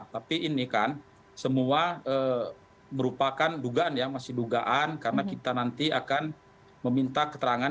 tapi ini kan semua merupakan dugaan ya masih dugaan karena kita nanti akan meminta keterangan